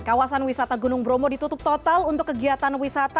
kawasan wisata gunung bromo ditutup total untuk kegiatan wisata